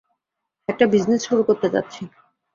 একটা বিজনেস শুরু করতে চাচ্ছি?